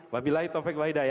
wabila itufik wa idah